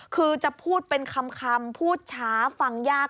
คือจะพูดเป็นคำพูดช้าฟังยาก